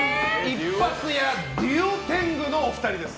一発屋デュオ天狗のお二人です。